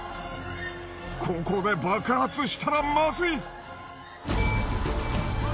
ここで爆発したらまずい！